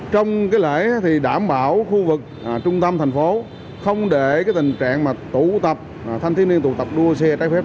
trong lễ đảm bảo khu vực trung tâm thành phố không để tình trạng thanh thiên niên tụ tập đua xe trái phép